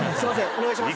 お願いします。